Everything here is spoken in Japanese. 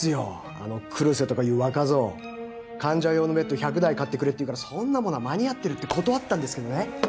あの黒瀬とかいう若造患者用のベッド１００台買ってくれって言うからそんなものは間に合ってるって断ったんですけどね